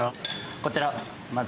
こちらまず一番